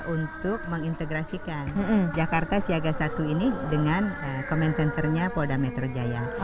untuk mengintegrasikan jakarta siaga i ini dengan command centernya polra metro jaya